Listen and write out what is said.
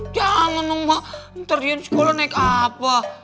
jangan dong mak ntar dia di sekolah naik apa